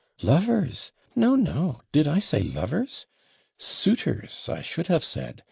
'Lovers! no, no! Did I say lovers? suitors I should have said.